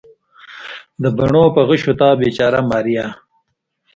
د بڼو په غشیو تا بیچاره ماریا